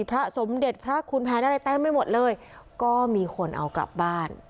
พระสมเด็จพระคุณแผนอะไรเต็มไปหมดเลยก็มีคนเอากลับบ้าน